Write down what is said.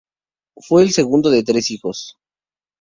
Fue el segundo de tres hijos.